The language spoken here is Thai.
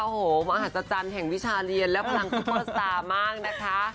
โอ้โหมหัศจรรย์แห่งวิชาเรียนและพลังซุปเปอร์สตาร์มากนะคะ